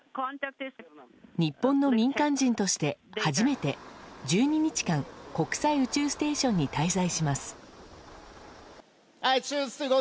日本の民間人として初めて１２日間国際宇宙ステーションに滞在します。